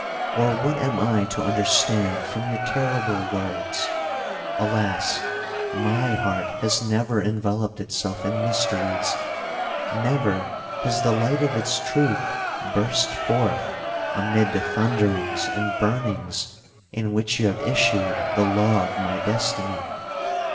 Or what am I to understand from your terrible words? Alas! my heart has never enveloped itself in mysteries—never has the light of its truth burst forth amid the thunderings and burnings in which you have issued the law of my destiny.'